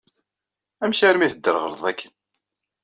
Amek armi teddreɣleḍ akken?